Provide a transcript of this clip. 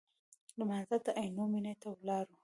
لمانځه ته عینومېنې ته ولاړو.